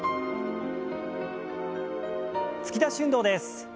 突き出し運動です。